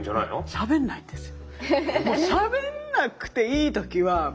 しゃべんないんですよ。